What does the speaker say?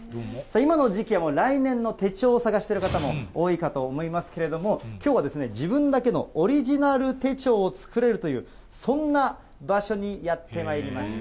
今の時期は来年の手帳を探している方も多いかと思いますけれども、きょうは自分だけのオリジナル手帳を作れるという、そんな場所にやってまいりました。